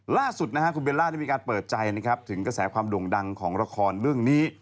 ล่าสุดคุณเบลล่ารานีมีการเปิดใจถึงกระแสความด่วงดังของละครเรื่องนี้